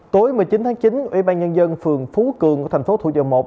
tối một mươi chín tháng chín ủy ban nhân dân phường phú cường của thành phố thủ dầu một